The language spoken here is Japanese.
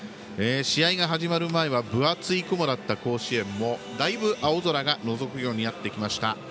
試合が始まる前は分厚い雲だった甲子園もだいぶ青空がのぞくようになってきました。